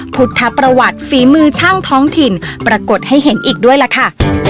พุทธประวัติฝีมือช่างท้องถิ่นปรากฏให้เห็นอีกด้วยล่ะค่ะ